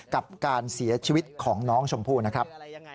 กับการเสียชีวิตของน้องชมพู่นะครับ